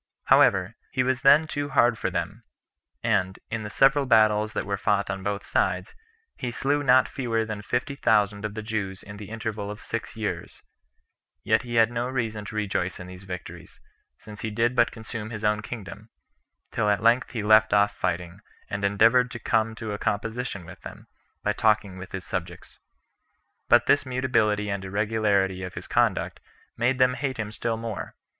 However, he was then too hard for them; and, in the several battles that were fought on both sides, he slew not fewer than fifty thousand of the Jews in the interval of six years. Yet had he no reason to rejoice in these victories, since he did but consume his own kingdom; till at length he left off fighting, and endeavored to come to a composition with them, by talking with his subjects. But this mutability and irregularity of his conduct made them hate him still more.